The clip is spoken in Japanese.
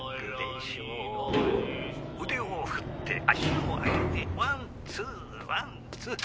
「腕を振って足をあげてワン・ツーワン・ツー」